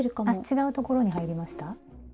違うところに入りました？